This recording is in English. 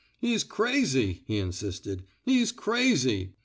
He's crazy!" he insisted. He's crazy!